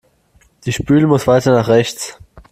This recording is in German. Die Spüle muss weiter nach rechts.